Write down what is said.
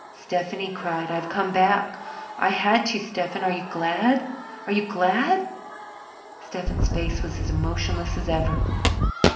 "Stephen," he cried. "I've come back! I had to! Stephen, are you glad are you glad?" Stephen's face was as emotionless as ever.